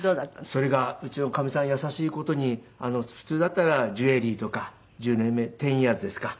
それがうちのかみさん優しい事に普通だったらジュエリーとか１０年目１０イヤーズですか。